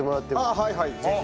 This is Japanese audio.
ああはいはいぜひ。